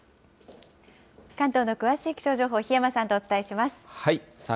関東の詳しい気象情報、檜山さんとお伝えします。